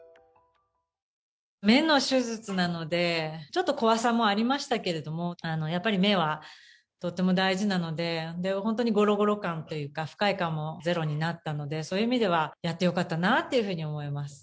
目の手術なので、ちょっと怖さもありましたけれども、やっぱり目はとても大事なので、本当にごろごろ感というか、不快感もゼロになったので、そういう意味ではやってよかったなというふうに思います。